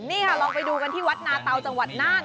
นี่ค่ะลองไปดูกันที่วัดนาเตาจังหวัดน่าน